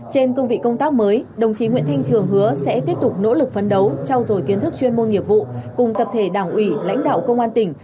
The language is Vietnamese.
trên cương vị công tác mới đồng chí nguyễn thanh trường hứa sẽ tiếp tục nỗ lực phấn đấu trau dồi kiến thức chuyên môn nghiệp vụ cùng tập thể đảng ủy lãnh đạo công an tỉnh